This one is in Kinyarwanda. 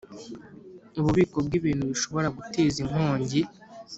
Ububiko bw’ibintu bishobora guteza inkongi